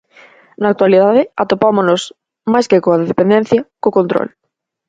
Na actualidade atopámonos, máis que coa dependencia, co control.